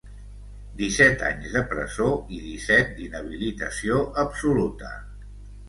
Disset anys de presó i disset d’inhabilitació absoluta.